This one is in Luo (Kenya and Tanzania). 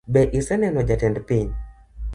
Be ise neno jatend piny?